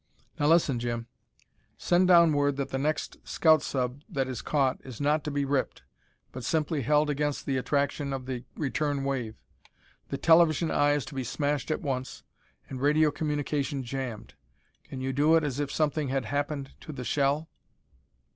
Now listen, Jim. Send down word that the next scout sub that is caught is not to be ripped, but simply held against the attraction of the return wave. The television eye is to be smashed at once, and radio communication jammed. Can you do it as if something had happened to the shell?"